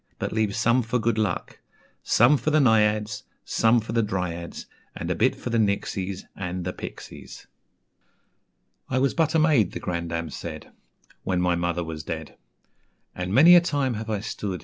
But leave some for good luck: Some for the Naïads, Some for the Dryads, And a bit for the Nixies, and the Pixies,'" "I was but a maid," the grandame said, "When my mother was dead; And many a time have I stood.